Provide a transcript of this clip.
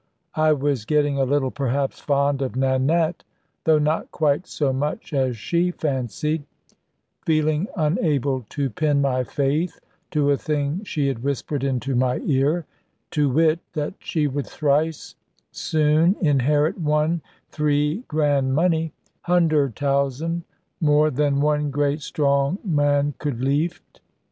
I was getting a little perhaps fond of Nanette, though not quite so much as she fancied; feeling unable to pin my faith to a thing she had whispered into my ear; to wit, that she would thrice soon inherit one three grand money, hunder tousand, more than one great strong man could leeft.